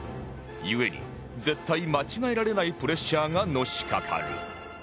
ゆえに絶対間違えられないプレッシャーがのしかかる